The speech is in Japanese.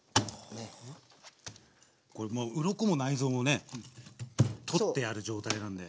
これもううろこも内臓もね取ってある状態なんで。